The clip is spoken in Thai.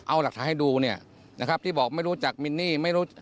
เอาหลักฐานให้ดูนะครับที่บอกไม่รู้จักมินนี่